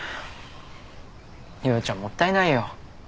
夜々ちゃんもったいないよ。